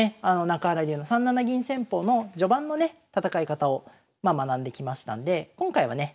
中原流の３七銀戦法の序盤のね戦い方を学んできましたんで今回はね